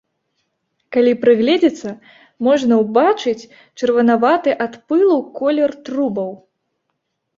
Калі прыгледзецца, можна ўбачыць чырванаваты ад пылу колер трубаў.